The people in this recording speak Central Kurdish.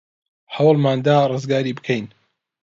هەوڵمان دا ڕزگاری بکەین.